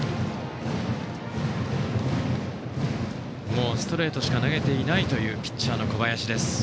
もうストレートしか投げていないピッチャーの小林。